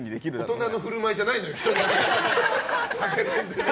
大人の振る舞いじゃないのよ。